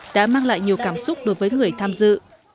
đã mang lại nhiều cảm xúc đối với người tham dự